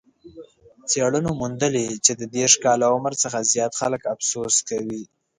څېړنو موندلې چې د دېرش کاله عمر څخه زیات خلک افسوس کوي.